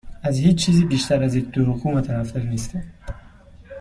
از هیچ چیزی بیشتر از یک دروغگو متنفر نیستم.